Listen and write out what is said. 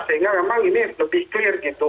sehingga memang ini lebih clear gitu